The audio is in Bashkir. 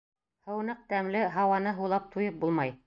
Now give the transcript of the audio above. Һыу ныҡ тәмле, һауаны һулап туйып булмай.